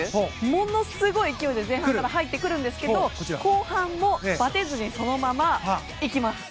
ものすごい勢いで前半から入ってくるんですが後半も、ばてずにそのままいきます。